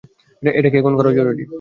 এটা কি এখন করা জরুরি?